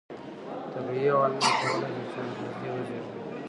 طبیعي عواملو کولای شول چې انګېزې وزېږوي.